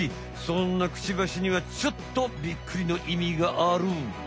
そんなクチバシにはちょっとびっくりのいみがある。